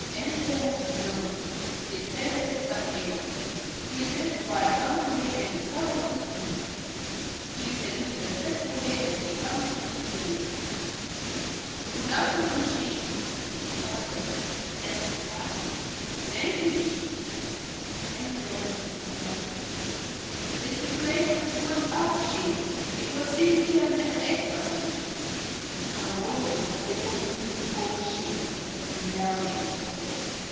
_) Enter Jones, _his favourite sub editor. He is dressed quite commonly, and is covered with ink. He salutes respectfully as he comes into the room._ ~Jones.~ Good afternoon, chief. ~Smith.~ Good afternoon. Have a cigar? ~Jones.~ Thank you, chief. ~Smith.~ Have you anything to tell me? ~Jones.~ The circulation is still going up, chief. It was three million and eight last week. ~Smith~ (testily). How often have I told you not to call me "chief," except when there are ladies present?